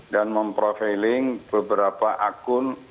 dan memprofiling beberapa akun